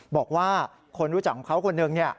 บอกว่าคนรู้จักของเขาคนหนึ่ง